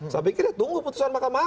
saya pikir ya tunggu putusan mk